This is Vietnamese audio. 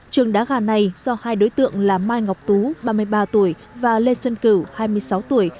trường đá gà này do hai đối tượng là mai ngọc tú ba mươi ba tuổi và lê xuân cửu hai mươi sáu tuổi